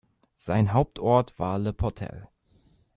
Sein Hauptort war Le Portel.